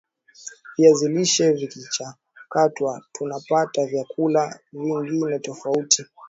viazi lishe vikichakatwa tuna pata vyakula vingine tofauti